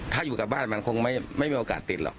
ถ้าอยู่กับบ้านมันคงไม่มีโอกาสติดหรอก